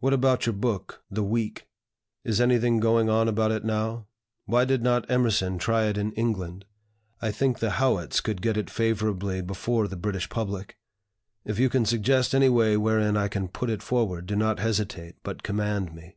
What about your book (the 'Week')? Is anything going on about it now? Why did not Emerson try it in England? I think the Howitts could get it favorably before the British public. If you can suggest any way wherein I can put it forward, do not hesitate, but command me."